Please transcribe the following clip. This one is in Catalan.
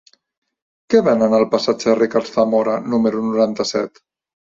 Què venen al passatge de Ricard Zamora número noranta-set?